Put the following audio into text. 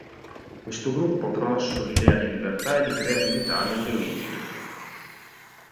Questo gruppo ha promosso l'idea di libertà e di creatività nelle origini.